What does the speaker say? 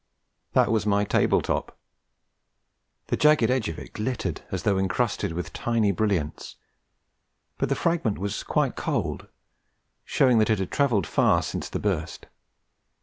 That was my table top. The jagged edge of it glittered as though incrusted with tiny brilliants; but the fragment was quite cold, showing that it had travelled far since the burst.